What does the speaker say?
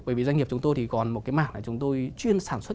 bởi vì doanh nghiệp chúng tôi thì còn một cái mảng là chúng tôi chuyên sản xuất